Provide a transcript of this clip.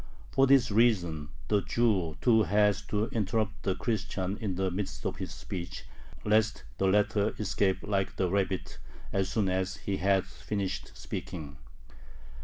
For this reason the Jew too has to interrupt the Christian in the midst of his speech, lest the latter escape like the rabbit as soon as he has finished speaking.